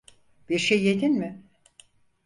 Bir şey yedin mi?